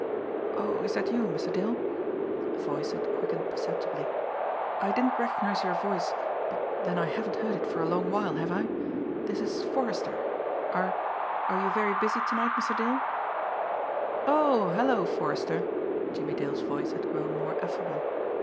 "Oh, is that you, Mr. Dale?" The voice had quickened perceptibly. "I didn't recognise your voice but then I haven't heard it for a long while, have I? This is Forrester. Are are you very busy to night, Mr. Dale?" "Oh, hello, Forrester!" Jimmie Dale's voice had grown more affable.